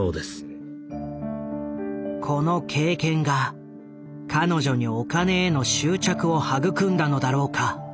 この経験が彼女にお金への執着を育んだのだろうか。